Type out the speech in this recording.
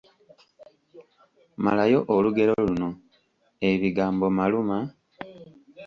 Malayo olugero luno: Ebigambo maluma, …..